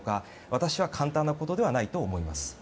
私は簡単なことではないと思います。